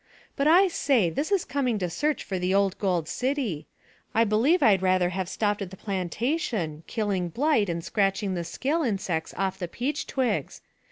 But I say, this is coming to search for the old gold city! I believe I'd rather have stopped at the plantation killing blight and scratching the scale insects off the peach twigs.